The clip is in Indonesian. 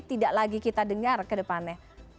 tidak lagi kita dengar ke depannya